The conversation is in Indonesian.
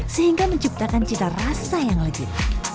sehingga menciptakan cita rasa yang legit